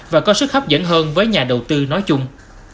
và có sức hấp dẫn hơn với nhà đầu tư nói chung